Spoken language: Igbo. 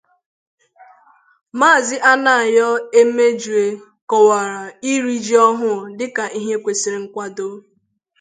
Maazị Anayo Emejue kọwara iri ji ọhụụ dịka ihe kwesiri nkwàdo